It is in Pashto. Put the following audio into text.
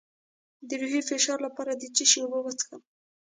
د روحي فشار لپاره د څه شي اوبه وڅښم؟